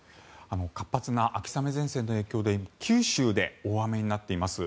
活発な秋雨前線の影響で九州で大雨になっています。